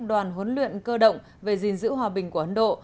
đoàn huấn luyện cơ động về gìn giữ hòa bình của ấn độ